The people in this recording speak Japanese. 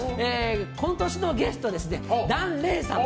今年のゲストは檀れいさん